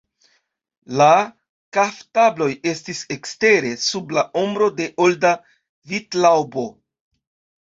La kaftabloj estis ekstere, sub la ombro de olda vitlaŭbo.